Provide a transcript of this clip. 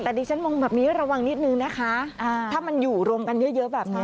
แต่ดิฉันมองแบบนี้ระวังนิดนึงนะคะถ้ามันอยู่รวมกันเยอะแบบนี้